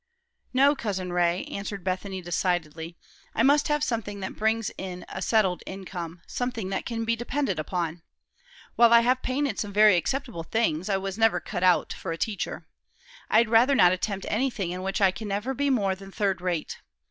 "No, Cousin Ray," answered Bethany decidedly; "I must have something that brings in a settled income, something that can be depended on. While I have painted some very acceptable things, I never was cut out for a teacher. I'd rather not attempt anything in which I can never be more than third rate.